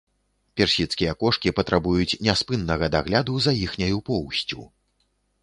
Персідскія кошкі патрабуюць няспыннага дагляду за іхняю поўсцю.